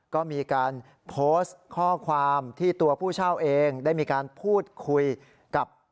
ก็มีการโพสต์ข้อความที่ตัวผู้เช่าเองได้มีการพูดคุยกับ